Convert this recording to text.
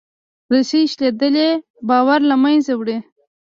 رسۍ شلېدلې باور له منځه وړي.